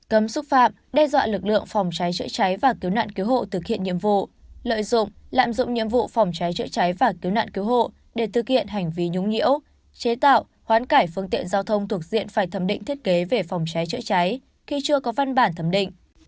cấm xúc phạm đe dọa lực lượng phòng cháy chữa cháy và cứu nạn cứu hộ thực hiện nhiệm vụ lợi dụng lạm dụng nhiệm vụ phòng cháy chữa cháy và cứu nạn cứu hộ để thực hiện hành vi nhũng nhiễu chế tạo hoán cải phương tiện giao thông thuộc diện phải thẩm định thiết kế về phòng cháy chữa cháy khi chưa có văn bản thẩm định